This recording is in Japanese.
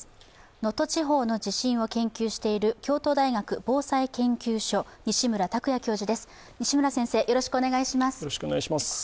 能登地方の地震を研究している京都大学防災研究所西村卓也教授です。